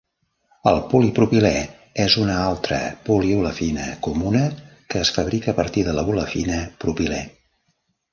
El polipropilè és una altra poliolefina comuna que es fabrica a partir de la olefina propilè.